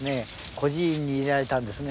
孤児院に入れられたんですね。